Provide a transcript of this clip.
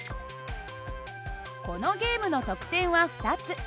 このゲームの得点は２つ。